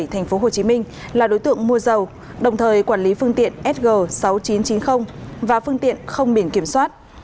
thành phố hồ chí minh là đối tượng mua dầu đồng thời quản lý phương tiện s g sáu nghìn chín trăm chín mươi và phương tiện không biển kiểm soát